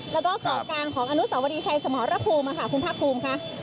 แล้วก็เกาะกลางของอนุสวรีชัยสมรภูมิคุณพระคุมค่ะ